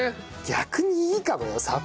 逆にいいかもよさ